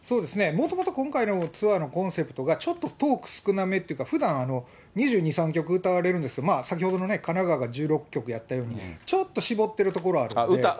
もともと今回のツアーのコンセプトがちょっとトーク少なめっていうか、ふだん２２、３曲歌われるんですけど、先ほどの神奈川が１６曲だったように、ちょっと絞ってるところはある。